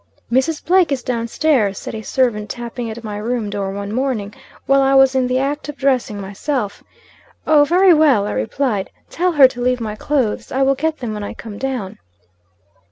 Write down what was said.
"'Mrs. Blake is down stairs,' said a servant tapping at my room door, one morning, while I was in the act of dressing myself. "'Oh, very well,' I replied. 'Tell her to leave my clothes. I will get them when I come down.'